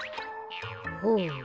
ほう。